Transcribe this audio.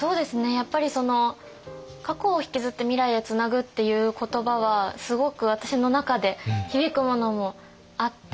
やっぱりその過去をひきずって未来へつなぐっていう言葉はすごく私の中で響くものもあって。